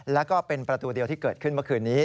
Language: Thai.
แล้วก็เป็นประตูเดียวที่เกิดขึ้นเมื่อคืนนี้